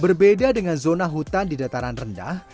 berbeda dengan zona hutan di dataran rendah